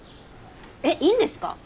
えっいいんですか！？